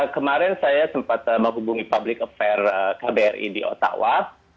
kemarin saya sempat menghubungi public affair kbri di ottawa